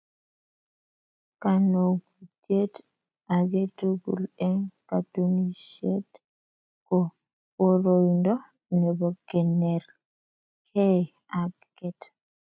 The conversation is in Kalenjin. Kanokutiet age tugul eng katunisieet ko boroindo nebo kineetkeei ak keet